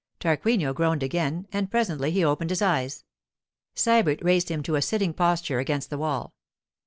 Tarquinio groaned again, and presently he opened his eyes. Sybert raised him to a sitting posture against the wall.